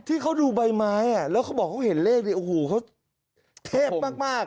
ที่เขาดูใบไม้แล้วเขาบอกเขาเห็นเลขเนี่ยโอ้โหเขาเทพมาก